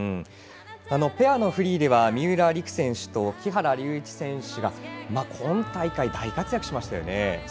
ペアのフリーでは三浦璃来選手と木原龍一選手が今大会、大活躍しましたね。